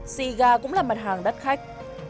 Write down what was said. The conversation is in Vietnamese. siga cũng là mặt hàng đắt khách